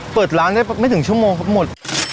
เปิดร้านได้ไม่ถึงชั่วโมงครับหมด